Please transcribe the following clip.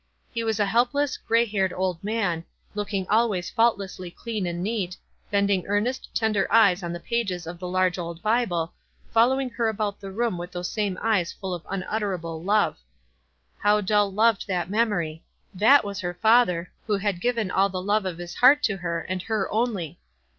He was a help less, gray haired old man, looking always fault lessly clean and neat, bending earnest, tender eyes on the pages of the large old Bible, fol lowing her about the room with those same eyes full of unutterable love. How Dell loved that memory — that was her father, who had given all the love of his heart to her, and her only.